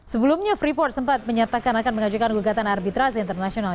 sebelumnya freeport sempat menyatakan akan mengajukan gugatan arbitrasi internasional